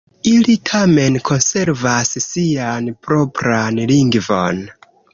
Ili tamen konservas sian propran lingvon.